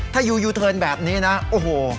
ถ้ายูยูเทิร์นแบบนี้นะโอ้โห